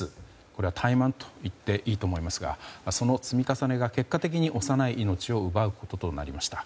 これは怠慢と言っていいと思いますがその積み重ねが結果的に幼い命を奪うこととなりました。